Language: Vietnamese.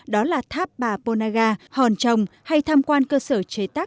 đó là tháp bà pôn nga hòn trồng hay tham quan cơ sở chế tế